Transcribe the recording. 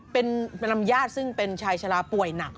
เป็นรำญาติซึ่งเป็นชายชาลาป่วยหนัก